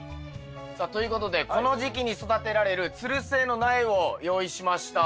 さあということでこの時期に育てられるつる性の苗を用意しました。